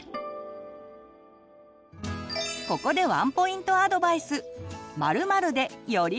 ここでワンポイントアドバイス！